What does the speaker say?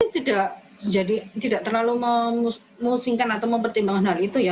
kita tidak terlalu memusingkan atau mempertimbangkan hal itu ya